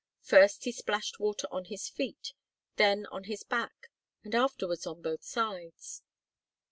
First he splashed water on his feet, then on his back, and afterwards on both sides.